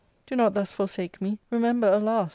i^r " do not thus forsake me. Remember, alas